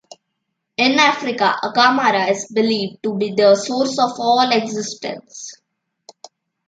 In Africa, Akamara is believed to be the Source of all Existence.